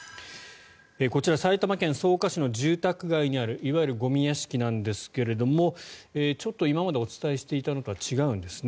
こちら埼玉県草加市の住宅街にあるいわゆるゴミ屋敷ですがちょっと今までお伝えしていたのとは違うんです。